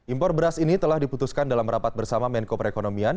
impor beras ini telah diputuskan dalam rapat bersama menko perekonomian